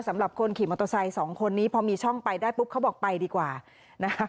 สำหรับคนขี่มอเตอร์ไซค์สองคนนี้พอมีช่องไปได้ปุ๊บเขาบอกไปดีกว่านะคะ